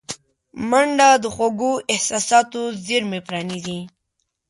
منډه د خوږو احساساتو زېرمې پرانیزي